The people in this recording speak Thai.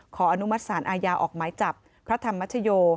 ขออนุมัติศาลอาญาออกหมายจับพระธรรมชโย